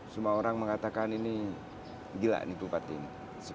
semua orang mengatakan ini gila nih bupati ini